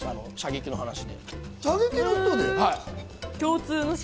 射撃の人で？